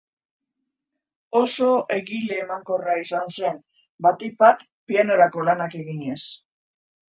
Oso egile emankorra izan zen, batik bat pianorako lanak eginez.